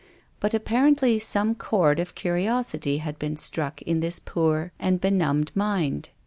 But apparently some chord of curiosity had been struck in this poor and benumbed mind.